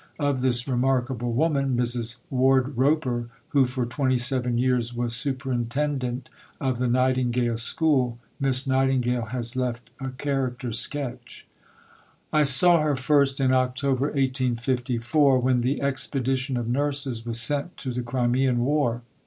Of this remarkable woman, Mrs. Wardroper, who for twenty seven years was superintendent of the Nightingale School, Miss Nightingale has left a character sketch: I saw her first in October 1854, when the expedition of nurses was sent to the Crimean War.